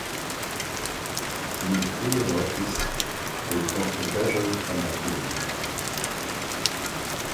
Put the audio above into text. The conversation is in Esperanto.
Li frue mortis pro komplikaĵoj en la pulmo.